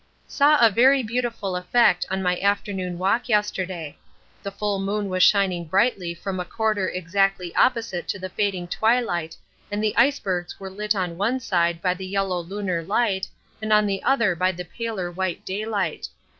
Saw a very beautiful effect on my afternoon walk yesterday: the full moon was shining brightly from a quarter exactly opposite to the fading twilight and the icebergs were lit on one side by the yellow lunar light and on the other by the paler white daylight.